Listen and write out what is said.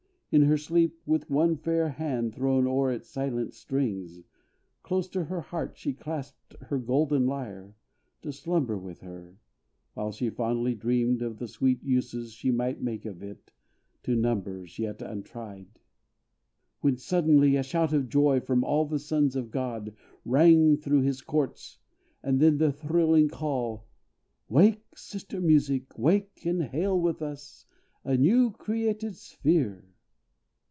In her sleep, With one fair hand thrown o'er its silent strings, Close to her heart she clasped her golden lyre, To slumber with her, while she fondly dreamed Of the sweet uses she might make of it To numbers yet untried. When, suddenly, A shout of joy from all the sons of God, Rang through his courts: and then the thrilling call, "Wake! sister Music, wake, and hail with us, A new created sphere!"